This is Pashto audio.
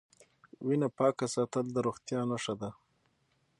وینه پاکه ساتل د روغتیا نښه ده.